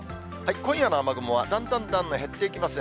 今夜の雨雲はだんだんだんだん減っていきますね。